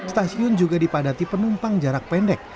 stasiun juga dipadati penumpang jarak pendek